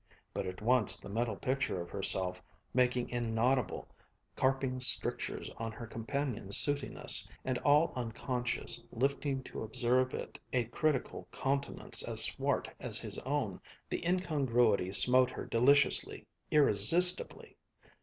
But at once the mental picture of herself, making inaudible carping strictures on her companion's sootiness and, all unconscious, lifting to observe it a critical countenance as swart as his own the incongruity smote her deliciously, irresistibly!